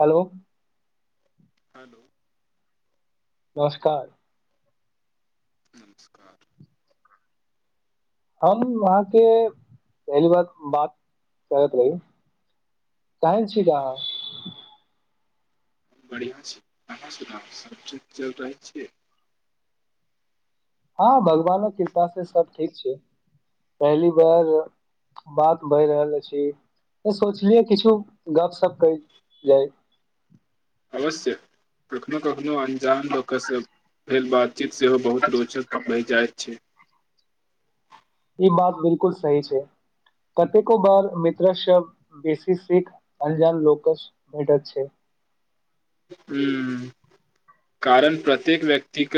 हलो hello नमस्कार नमस्कार हम अहाँके पहली बार बात करैत रही चाहै छी त अहाँ बढ़िआँ छी अहाँ सुनाब सब चज चलि रहलै छियै हँ भगवानक कृपासँ सभ ठीक छै पहली बार बात बहि रहल अछि त सोचलियै किछु गपशप कइल जाय अवश्य प्रथन कह कोनो अन्जान लोक सभ भेल बाद उचित सेहो बहुत रोचक बहि जाइत छै ई बात बिलकुल सही छै कतेको बार मित्र स बेसी सीख अंजान लोकस भेठत छै ह कारण प्रत्येक व्यक्त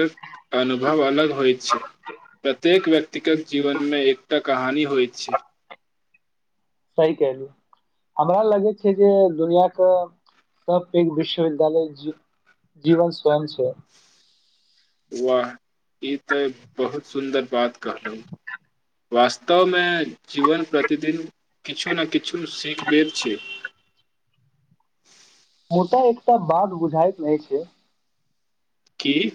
अनुभव अलग होइत छै प्रत्येक व्यक्ति व्यक्तिगत जीवनमे एकटा कहानी होइत छै सही कहलिय हमरा लगै छै जे दुनिया क सब पैघ विश्वविद्यालय जीवन स्वयं छै वाह ई तऽ बहुत सुन्दर बात कहलउ वास्तवमे जीवन प्रतिदिन किछु ने किछु सीखबेद छै मुदा एकटा बात बुझायत नहि छै की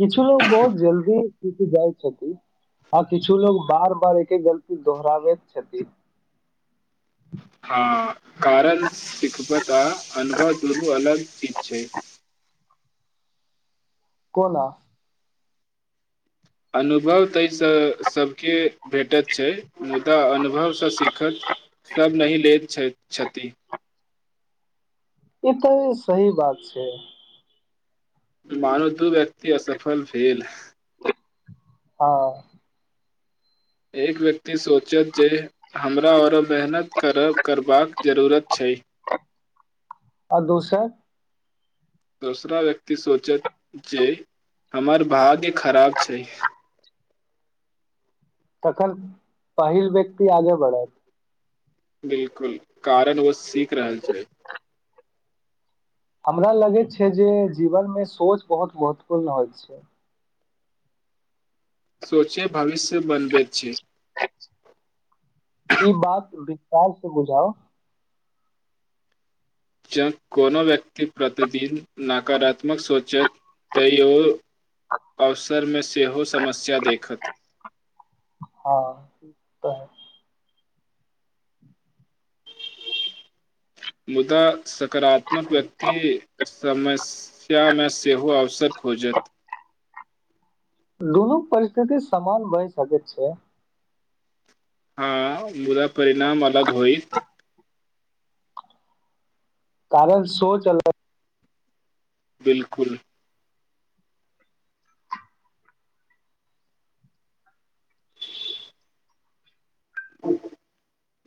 किछु लोग बहुत जल्दीछ सीख जाइ छथिन आ किछु लोग बार बार एके गलती दोहराबैत छथिन हँ कारण सिखबत आ अनुभव गुरू अलग चीज छै कोना अनुभव ताहिसँ सभके भेटैत छै मुदा अनुभवसँ सिखक सभ नहिह लैत छथि ई तऽ सही बात छै मानू दू व्यक्ति असफल भेल हँ एक व्यक्ति सोचत जे हमरा आरो मेहनत करब करबाक जरूरत छै आ दोसर दोसरा व्यक्ति सोचत जे हमर भाग्य खराब छै तखन पहिल व्यक्ति आगे बढ़त बिलकुल कारण ओ सीख रहल छै हमरा लगैत छै जे जीवनमे सोच बहुत महत्वपूर्ण होइत छै सोचे भविष्य बनबैछै ई बात विशाल से बुझाउ जँ कोनो व्यक्ति प्रतिदिन नकारात्मक सोचैत तै ओ अवसरमे से सेहो समस्या देखत त मुदा सकारात्मक व्यक्ति समस्यामे सेहो अवसर खोजत दुनू परिस्थिति समान बहि सकैत छै हँ मुदा परिणाम अलग होइत कारण सो चलत बिलकुल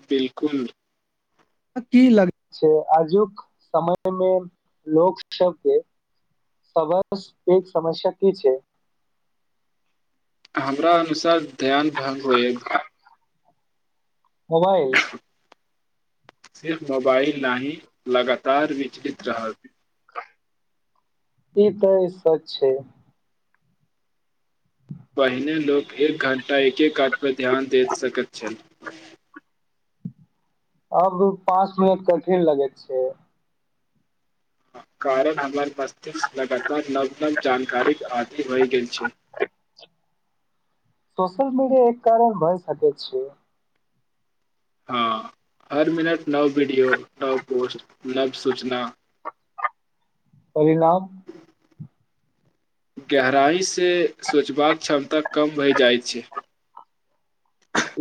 बिलकुल की लग छै आजुक समयमे लोक सबके सबस एक समस्या की छै हमरा अनुसार ध्यान भङ्ग होयब मोबाइल सिर्फ मोबाइल नाहि लगातार विचलित रहत इ त इ सच छै पहिने लोक एक घण्टा एके काज पर ध्यान दे सकैत छल अब पाँच मिनट कठिन लगैत छै कारण हमर बस्तीकसँ लगातार नव नव जानकारीक आदि होय गेल छै सोशिल मीडिया एक कारण भइ सक छै हँ हर मिनट नव वीडियो नव पोस्ट नव सूचना परिणाम गहराइ से सोचबाक क्षमता कम भइ जाइत छै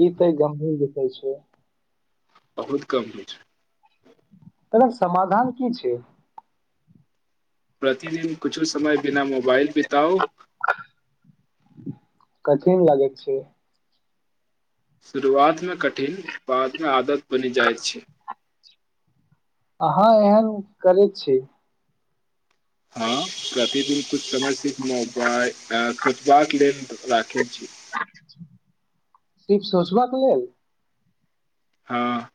ई तय गंभीर विषय छै बहुत कम होइ छै तकर समाधान की छै प्रतिदिन कुछो समय बिना मोबाइल बिताउ कठिन लागे छै शुरुआतमे कठिन बादमे आदत बनि जाइत छै अहाँ एहन करैत छी हँ प्रतिदिन कुछ समय सिर्फ मोबाइल एप सोचबाक लेल राखैत छी सिर्फ सोचबाके लेल हँ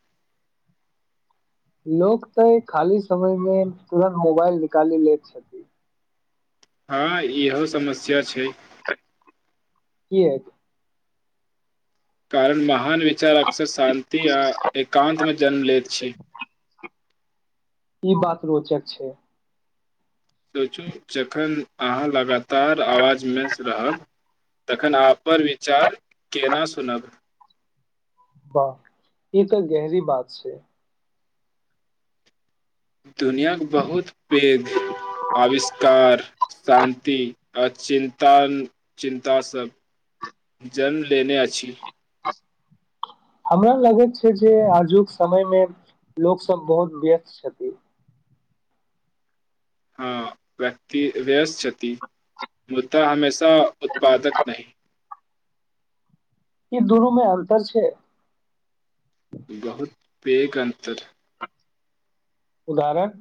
लोक त खाली समयमे तुरत मोबाइल निकाली ले छैय हँ इहो समस्या छैय कियाक कारण महा महान विचार अक्सर शान्ति आ एकान्तमे जन्म लैत छी ई बात रोचक छै सोचू जखन अहाँ लगातार आवाजमे रहब तखन अहाँ अपन विचार केना सुनब वाह ई त गहरी बात छै दुनियाक बहुत पेघ अविष्कार शान्ति अचिन्ता चिन्ता सब जन्म लेने अछि हमरा लगैत छै जे आजुक समयमे लोकसब बहुत व्यस्त छथिन हँ व्यक्ति व्यस्त छथि मुदा हमेशा उत्पादक नहि ई दुनूमे अन्तर छै बहुत पेग अन्तर उदाहरण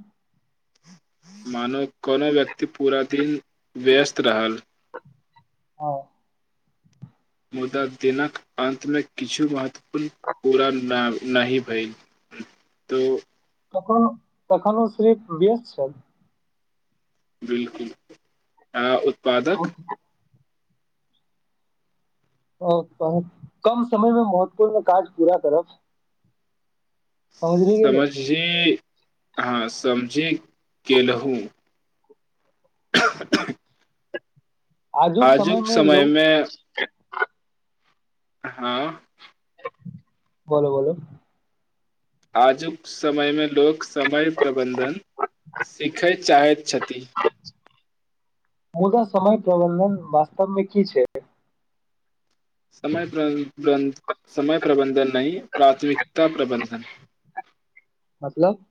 मानो कोनो व्यक्ति पूरा दिन व्यस्त रहल हँ मुदा दिनक अन्तमे किछु महत्वपूर्ण पूरा नहि भेल त त तखनो सिरीफ व्यस्त छथि बिलकुल अ आ ओ कम समय मे महत्वपूर्ण काज पूरा करब समझली गेलौ समझी ह समझि गेलहुूँ [inaudible] आजुक समय मे लोक हँ बोलो बोलो आजुक समयमे लोक समय प्रबन्धन सीखय चाहैत छथि मुदा समय प्रबन्धन वास्तवमे की छै समय प्रबंध समय प्रबंधन नहि प्राथमिकता प्रबंधन मतलब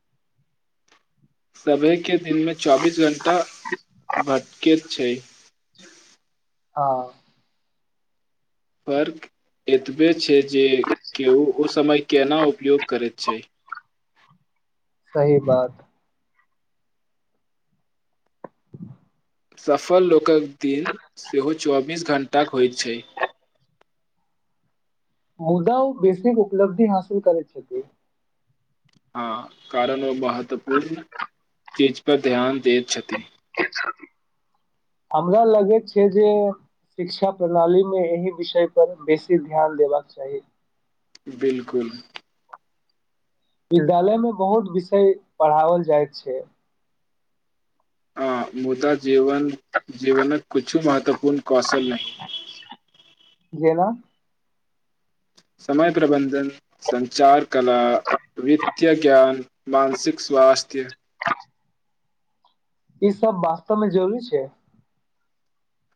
सभेके दिन मे चौबीस घंटा भटके छै हँ फर्क एतबे छै जे के ओ ओ समय केना उपयोग करैत छै सही बात सफल लोकक दिन सेहो चौबीस घणटाक होइत छै मुदा उ बेसिक उपलब्धि हासिल करै छथि हँ कारण ओ महत्वपूर्ण चीज पर ध्यान दैत छथि हमरा लगैत छै जे शिक्षा प्रणालीमे एहि विषयपर बेसी ध्यान देबाक चाही बिलकुल विद्यालयमे बहुत विषय पढ़ाओल जाइत छै अ मुदा जीवन जीवनक कुछु महत्वपूर्ण कौशल नहि जेना समय प्रबन्धन संचार कला वित्तय ज्ञान मानसिक स्वास्थ्य ई सब वास्तवमे जरूरी छै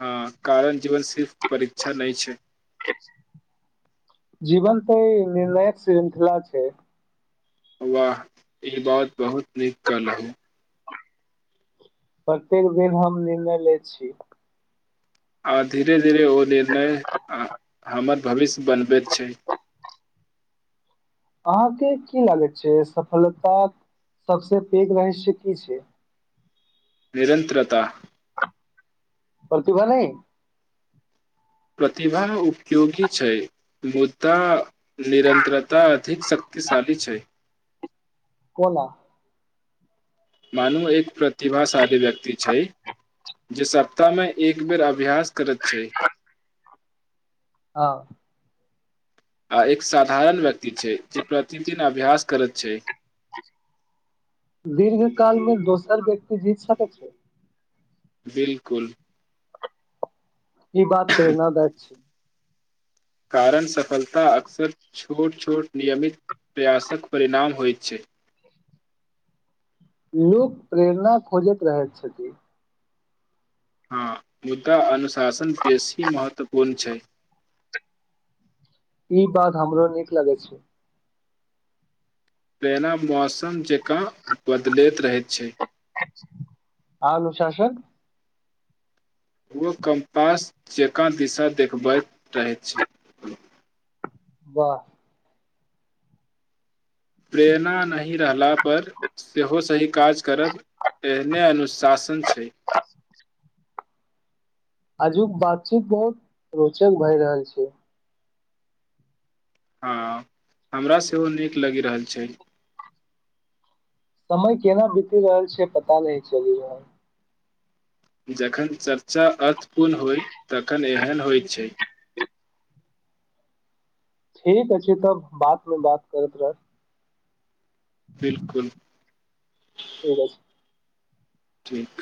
हँ कारण जीवन सिर्फ परीक्षा नहि छै जीवन तऽ ई निर्णायक श्रृंखला छै वाह ई बात बहुत नीक कलहु प्रत्येक दिन हम निर्णय लय छी आर धीरे ध धीरे ओ निर्णय आ हमर भविष्य बनबैत छै अहाँके की लागैत छै सफलता सबसे पैघ रहस्य की छै निरन्तरता प्रतिभा नइ प्रतिभा उपयोगी छै मुद्दा निरन्तरता अधिक शक्तशाली छै कोला मानू एक प्रतिभाशाली व्यक्त छै जे सप्ताहमे एक बेर अभ्यास करैत छै हँ आ एक साधारण व्यक्ति छै जे प्रतिदिन अभ्यास करैत छै दीर्घ कालमे दोसर व्यक्ति जीत सकै छै बिलकुल इ बात प्रेरणा दायक छै कारण सफलता अक्सर छोट छोट नियमित प्रयासक परिणाम होइत छै लोक प्रेरणा खोजैत रहैत छथि हँ मुद्दा अनुशासन बेसी महत्वपूर्ण छै ई बात हमरो नीक लगै छै तेना बस जेका बदले रहैत छै अनुशासन ओ कम पास जेकाँ दिशा देखबैत रहैत छै वाह प्रेरणा नहि रहला पर सेहो सही काज करब एहने अनुशासन छै [unintelligible] आजुक बातचीत बहुत रोचक भऽ रहल छै हँ हमरा सेहो निक लागि रहल छै समय केना बीत रहल छै पता नहि चलि रहल जखन चर्चा अर्थपूर्ण होइ तखन एहन होइ छै ठीके अछि तब बादमे बात करैत रहब बिलकुल ठी थिक